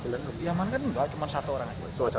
diamankan cuma satu orang